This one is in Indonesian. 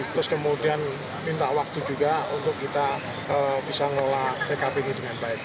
terus kemudian minta waktu juga untuk kita bisa ngelola tkp ini dengan baik